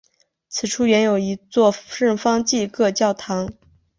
此处原有一座圣方济各教堂。